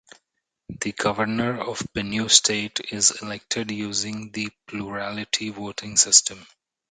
The Governor of Benue State is elected using the plurality voting system.